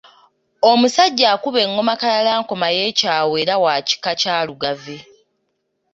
Omusajja akuba engoma Kalalankoma ye Kyawa era wa kika kya Lugave